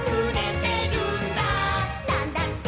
「なんだって」